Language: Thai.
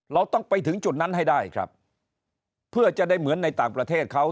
เราต้องไปถึงจุดนั้นให้ได้ครับเพื่อจะได้เหมือนในต่างประเทศเขา